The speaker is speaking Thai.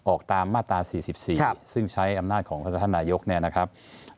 ออกตามมาตรา๔๔ซึ่งใช้อำนาจของท่านนายกเนี่ยนะครับ